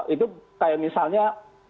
itu kayak misalnya